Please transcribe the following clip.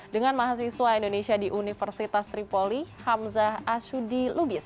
dengan mahasiswa indonesia di universitas tripoli hamzah ashudi lubis